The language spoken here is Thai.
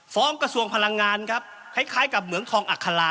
กระทรวงพลังงานครับคล้ายกับเหมืองทองอัครา